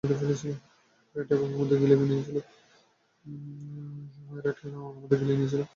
Red কেন আমাদের গিলে নিয়েছিল?